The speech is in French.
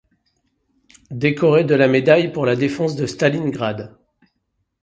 Décoré de la médaille pour la Défense de Stalingrad.